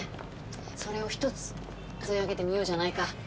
それを一つかぞえあげてみようじゃないか。